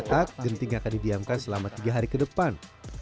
letak genting akan didiamkan selama tiga hari ke depan